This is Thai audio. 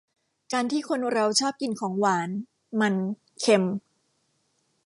การที่คนเราชอบกินของหวาน มัน เค็ม